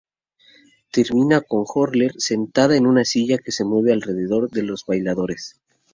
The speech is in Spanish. Termina con Horler sentada en una silla que se mueve alrededor de bailadores.